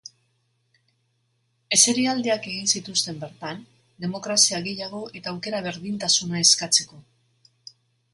Eserialdiak egin zituzten bertan, demokrazia gehiago eta aukera berdintasuna eskatzeko.